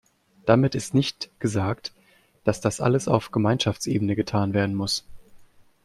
Damit ist nicht gesagt, dass das alles auf Gemeinschaftsebene getan werden muss.